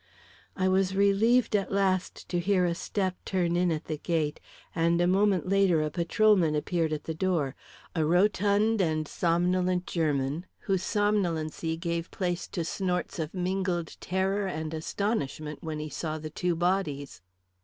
I was relieved at last to hear a step turn in at the gate, and a moment later a patrolman appeared at the door a rotund and somnolent German, whose somnolency gave place to snorts of mingled terror and astonishment when he saw the two bodies.